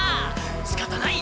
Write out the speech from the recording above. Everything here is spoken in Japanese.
しかたない。